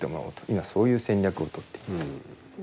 今そういう戦略を取っています。